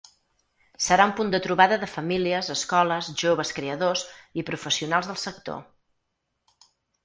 Serà un punt de trobada de famílies, escoles, joves creadors i professionals del sector.